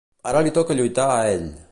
Ara li toca lluitar a ell.